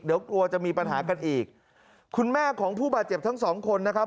เดี๋ยวกลัวจะมีปัญหากันอีกคุณแม่ของผู้บาดเจ็บทั้งสองคนนะครับ